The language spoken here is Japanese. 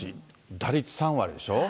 打率３割でしょ。